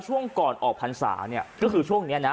ช่วงก่อนออกพรรษาเนี่ยก็คือช่วงนี้นะ